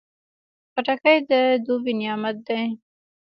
خټکی د دوبی نعمت دی.